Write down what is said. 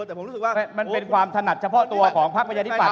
แต่ผมรู้สึกว่ามันเป็นความถนัดเฉพาะตัวของพักประชาธิปัต